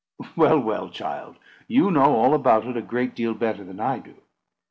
"Well, well, child; you know all about it a great deal better than I do.